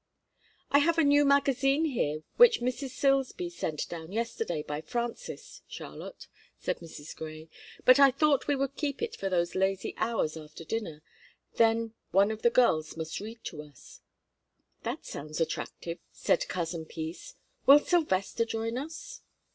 "I have a new magazine here which Mrs. Silsby sent down yesterday by Frances, Charlotte," said Mrs. Grey, "but I thought we would keep it for those lazy hours after dinner, then one of the girls must read to us." "That sounds attractive," said Cousin Peace. "Will Sylvester join us?"